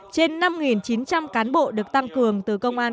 trên năm chín trăm linh cán bộ được tăng cường từ công an